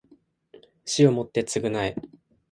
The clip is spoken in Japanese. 死をもって償え